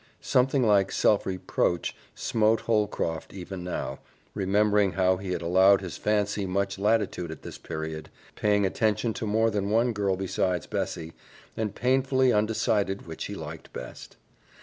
Something like self reproach smote Holcroft even now, remembering how he had allowed his fancy much latitude at this period, paying attention to more than one girl besides Bessie, and painfully undecided which he liked best.